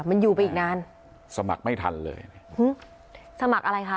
มันอยู่ไปอีกนานสมัครไม่ทันเลยสมัครอะไรคะ